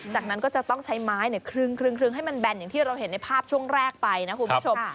จากนั้นก็จะต้องใช้ไม้ครึ่งให้มันแบนอย่างที่เราเห็นในภาพช่วงแรกไปนะคุณผู้ชม